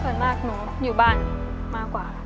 ส่วนมากหนูอยู่บ้านมากกว่า